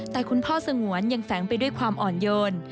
แต่คุณพ่อสงวนยังแฝงไปด้วยความอ่อนโยน